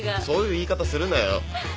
そういう言い方するなよ。